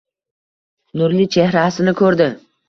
Nurli chehrasini ko‘rdi